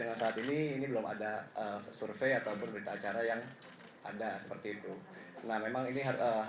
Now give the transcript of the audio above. kalau sekolah mr ini kan yang disuruhi sementara